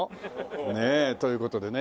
ねえ。という事でね